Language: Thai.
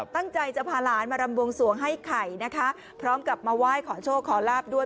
ตั้งใจจะพาหลานมารำบวงสวงให้ไข่นะคะพร้อมกับมาไหว้ขอโชคขอลาบด้วย